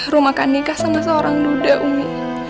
rum akan nikah sama seorang duda umi